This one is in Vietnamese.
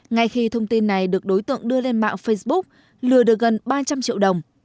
ngay khi thông tin này được đối tượng đưa lên mạng facebook lừa được gần ba trăm linh triệu đồng